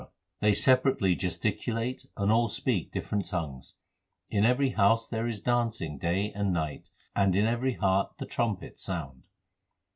SIKH, in J_) Q 402 THE SIKH RELIGION They separately gesticulate and all speak different tongues. In every house there is dancing day and night, and in every heart the trumpets l sound.